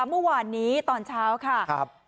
เมื่อวานนี้ตอนเช้าค่ะ